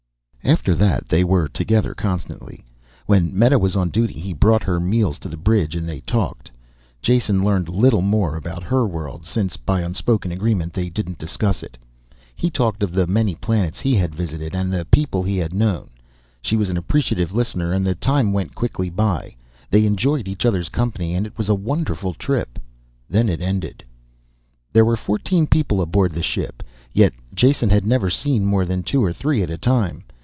After that they were together constantly. When Meta was on duty he brought her meals to the bridge and they talked. Jason learned little more about her world since, by unspoken agreement, they didn't discuss it. He talked of the many planets he had visited and the people he had known. She was an appreciative listener and the time went quickly by. They enjoyed each other's company and it was a wonderful trip. Then it ended. There were fourteen people aboard the ship, yet Jason had never seen more than two or three at a time.